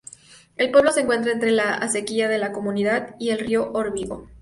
El pueblo se encuentra entre la Acequia de la Comunidad y el río Órbigo.